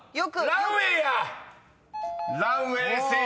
［「ランウェイ」正解］